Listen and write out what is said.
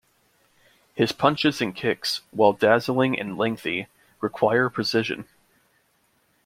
His punches and kicks, while dazzling and lengthy, require precision.